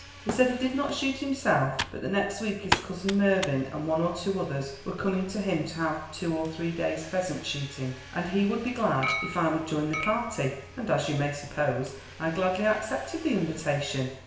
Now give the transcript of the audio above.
He said he did not shoot himself, but that next week his cousin Mervyn and one or two others were coming to him to have two or three days' pheasant shooting, and he would be glad if I would join the party; and, as you may suppose, I gladly accepted the invitation."